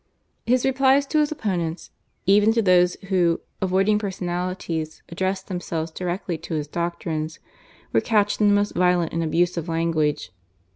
His replies to his opponents, even to those who, avoiding personalities, addressed themselves directly to his doctrines, were couched in the most violent and abusive language.